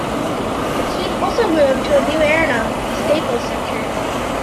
The team also moved to a new arena, the Staples Center.